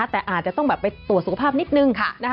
แต่อาจจะต้องไปตรวจสุขภาพนิดนึงนะคะ